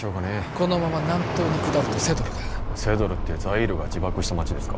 このまま南東に下るとセドルだセドルってザイールが自爆した街ですか？